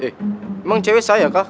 eh emang cewek saya kah